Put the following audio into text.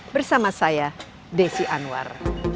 bersama saya desi anwar